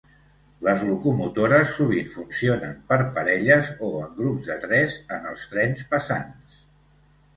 Les locomotores sovint funcionen per parelles o en grups de tres ens els trens pesants.